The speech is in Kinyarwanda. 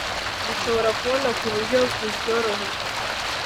rishobora kubona ku buryo buryoroheye